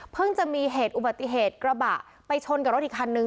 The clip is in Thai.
จะมีเหตุอุบัติเหตุกระบะไปชนกับรถอีกคันนึง